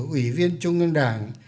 ủy viên trung ương đảng